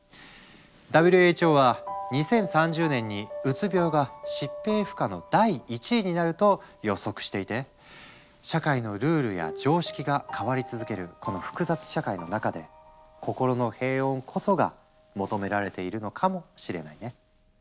ＷＨＯは「２０３０年にうつ病が疾病負荷の第１位になる」と予測していて社会のルールや常識が変わり続けるこの複雑社会の中で「心の平穏」こそが求められているのかもしれないね。